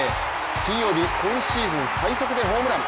金曜日、今シーズン最速でホームラン。